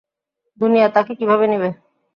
দুনিয়া তাকে কীভাবে নিবে?